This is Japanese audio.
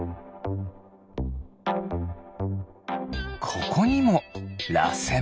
ここにもらせん。